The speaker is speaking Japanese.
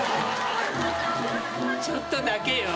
ちょっとだけよ。